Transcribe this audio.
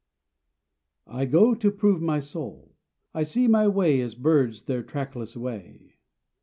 I go to prove my soul! I see my way as birds their trackless way.